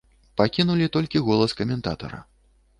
Пакінулі толькі голас каментатара.